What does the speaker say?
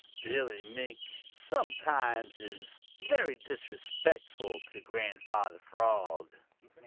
Billy Mink sometimes is very disrespectful to Grandfather Frog.